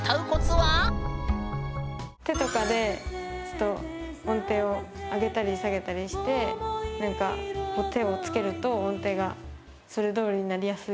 手とかでちょっと音程を上げたり下げたりして手をつけると音程がそれどおりになりやすい。